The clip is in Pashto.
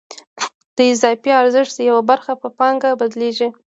د اضافي ارزښت یوه برخه په پانګه بدلېږي